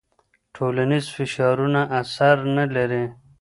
ټولنیز فشارونه اثر نه لري.